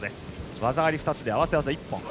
技あり２つで合わせ技一本。